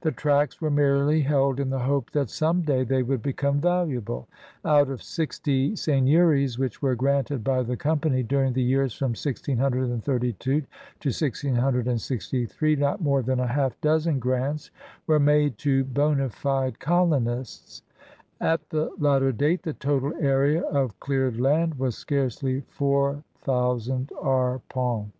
The tracts were merely held in the hope that some day they would become valuable. Out of sixty seigneuries which were granted by the Company during the years from 1632 to 1663 not more than a half dozen grants were made to bona fide colonists. At the latter date the total area of cleared land was scarcely four thousand arpents.